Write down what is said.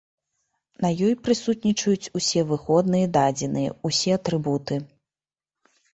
На ёй прысутнічаюць усе выходныя дадзеныя, усе атрыбуты.